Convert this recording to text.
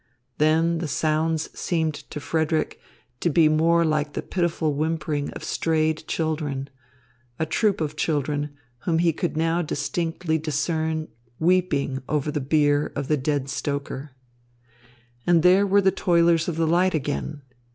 Then the sounds seemed to Frederick to be more like the pitiful whimpering of strayed children, a troop of children whom he could now distinctly discern weeping over the bier of the dead stoker. And there were the Toilers of the Light again.